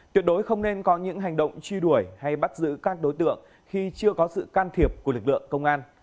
tuyệt đối không nên có những hành động truy đuổi hay bắt giữ các đối tượng khi chưa có sự can thiệp của lực lượng công an